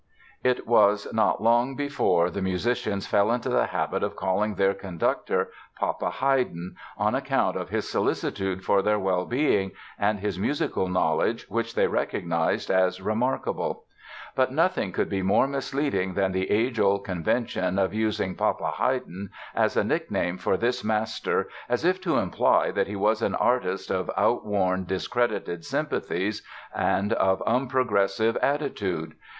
'"It was not long before the musicians fell into the habit of calling their conductor "Papa Haydn", on account of his solicitude for their well being and his musical knowledge which they recognized as remarkable. But nothing could be more misleading than the age old convention of using "Papa Haydn" as a nickname for this master as if to imply that he was an artist of outworn, discredited sympathies and of unprogressive attitude.